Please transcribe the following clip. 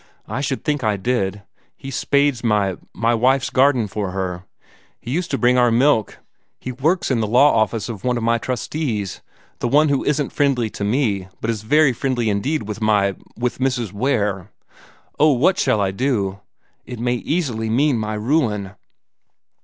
"I should think I did! He spades my my wife's garden for her. He used to bring our milk. He works in the law office of one of my trustees the one who isn't friendly to me, but is very friendly indeed with my with Mrs. Ware. Oh, what shall I do? It may easily mean my ruin!"